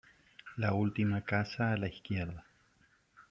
La última casa a la izquierda